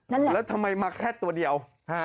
นั่นแหละแล้วทำไมมาแค่ตัวเดียว